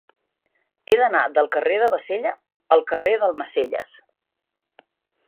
He d'anar del carrer de Bassella al carrer d'Almacelles.